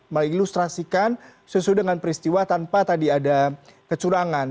mengilustrasikan sesuai dengan peristiwa tanpa tadi ada kecurangan